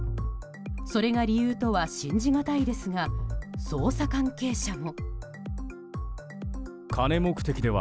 それが理由とは信じがたいですが捜査関係者も。